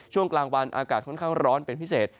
ช่วงกลางวันอากาศค่อนข้างร้อนเป็นพิเศษ